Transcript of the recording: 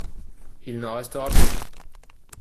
Il n’en restera plus !